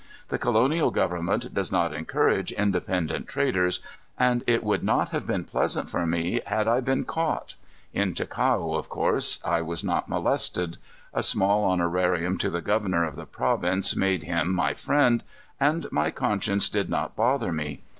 The colonial government does not encourage independent traders, and it would not have been pleasant for me had I been caught. In Ticao, of course, I was not molested. A small honorarium to the governor of the province made him my friend, and my conscience did not bother me.